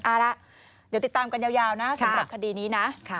เอาละเดี๋ยวติดตามกันยาวนะสำหรับคดีนี้นะ